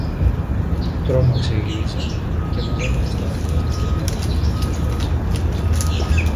Τρόμαξε η Λίζα, και μαζεύοντας τ' αυγά στην ποδιά της, προσπάθησε ν' ανοίξει